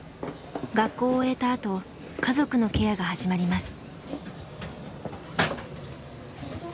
学校を終えたあと家族のケアが始まります。